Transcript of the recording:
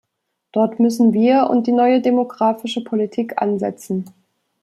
Dort müssen wir und die neue demographische Politik ansetzen.